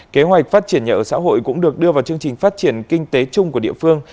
kế hoạch phát triển nhà ở xã hội cũng được đưa vào chương trình phát triển kinh tế chung của địa phương